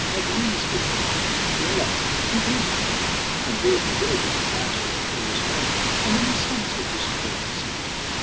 Had Rees been there ? And he alive ? Who then ? And were he dead, it might be Henry's men ! How many suns had risen while he slept